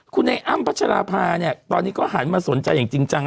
คุณไอ้อำพระชรพาตอนนี้อายมาสนใจอย่างจริงจัง